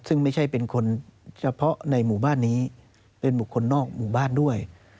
ซึ่งไม่ใช่เป็นคนเฉพาะในหมู่บ้านนี้เป็นบุคคลนอกหมู่บ้านด้วย